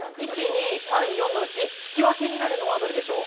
では１、２、３、４のうち引き分けになるのはどれでしょう？